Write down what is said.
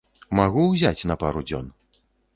Магу ўзяць на пару дзён?